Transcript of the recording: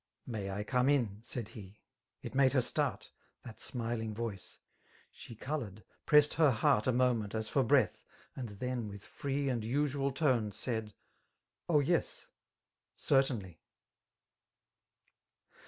'' May I come in V* said he :— it made hor iifart,— * That smiling voice ;— ^she coloured, pressed her heart A moment, as for breath, and tlien with free ' And usual tone said, " O yes,— certainly."